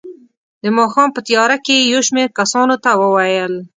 د ماښام په تیاره کې یې یو شمېر کسانو ته وویل.